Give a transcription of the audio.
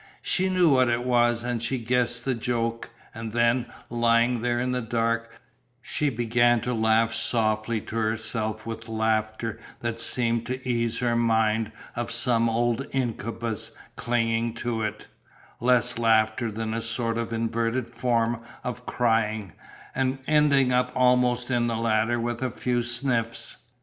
She knew what it was, and she guessed the joke, and then, lying there in the dark, she began to laugh softly to herself with laughter that seemed to ease her mind of some old incubus clinging to it less laughter than a sort of inverted form of crying and ending up almost in the latter with a few sniffs.